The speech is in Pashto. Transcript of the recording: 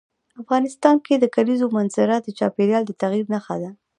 افغانستان کې د کلیزو منظره د چاپېریال د تغیر نښه ده.